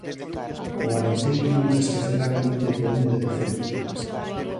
O Arenteiro nunca esquecerá a noite do un de decembro.